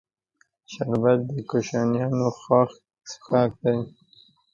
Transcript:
شربت د کوشنیانو خوښ څښاک دی